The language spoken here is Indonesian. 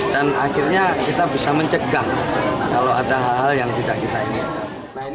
dan akhirnya kita bisa mencegah kalau ada hal hal yang tidak kita inginkan